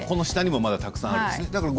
下にもたくさんあるんですね。